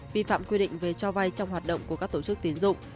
vi phạm quy định về cho vay trong hoạt động của các tổ chức tiến dụng